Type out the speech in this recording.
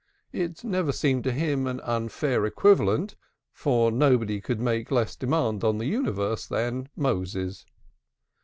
It never seemed to him an unfair equivalent, for nobody could make less demand on the universe than Moses.